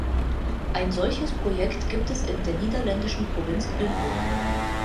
Ein solches Projekt gibt es in der niederländischen Provinz Limburg.